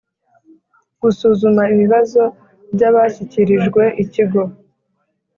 gusuzuma ibibazo by abashyikirijwe ikigo